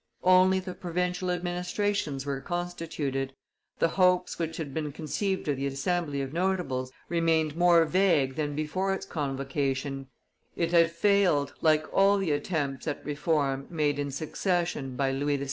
Only the provincial administrations were constituted; the hopes which had been conceived of the Assembly of notables remained more vague than before its convocation: it had failed, like all the attempts at reform made in succession by Louis XVI.